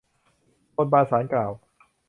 บนบานศาลกล่าว